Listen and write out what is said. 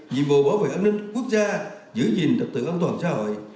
dịp bộ bảo vệ an ninh quốc gia giữ gìn tập tự an toàn xã hội